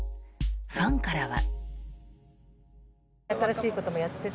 ファンからは。